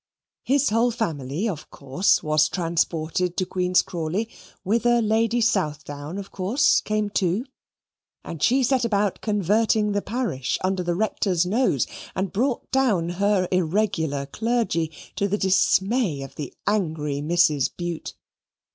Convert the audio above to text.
His whole family, of course, was transported to Queen's Crawley, whither Lady Southdown, of course, came too; and she set about converting the parish under the Rector's nose, and brought down her irregular clergy to the dismay of the angry Mrs Bute.